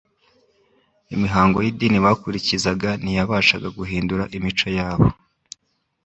Imihango y'idini bakurikizaga ntiyabashaga guhindura imico yabo